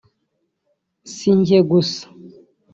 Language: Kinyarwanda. si njye gusa